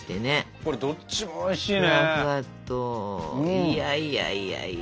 いやいやいやいや。